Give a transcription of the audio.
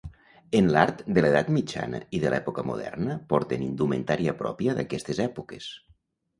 En l'art de l'Edat Mitjana i de l'època moderna porten indumentària pròpia d'aquestes èpoques.